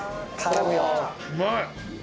うまい。